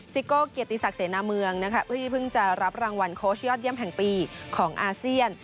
ซิโก้เกียรติศักดิเสนาเมืองนะคะที่เพิ่งจะรับรางวัลโค้ชยอดเยี่ยมแห่งปีของอาเซียน